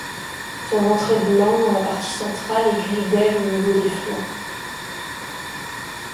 Son ventre est blanc dans la partie centrale et gris-beige au niveau des flancs.